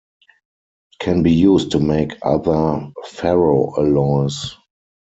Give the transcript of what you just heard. It can be used to make other ferroalloys.